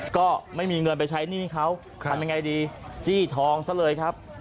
ก็ไม่มีเงินไปใช้หนี้เขาทำยังไงดีจี้ทองซะเลยครับ